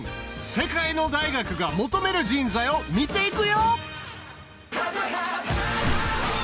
世界の大学が求める人材を見ていくよ！